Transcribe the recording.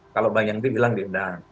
kalau bang yandri bilang diundang